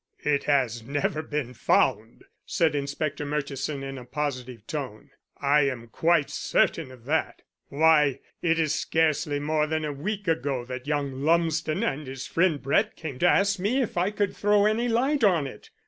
"It has never been found," said Inspector Murchison in a positive tone. "I'm quite certain of that. Why, it is scarcely more than a week ago that young Lumsden and his friend Brett came to ask me if I could throw any light on it.